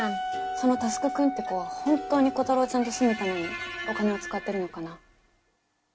その佑くんって子は本当にコタローちゃんと住むためにお金を使ってるのかな？